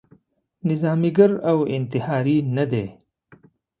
نظاميګر او انتحاري نه دی.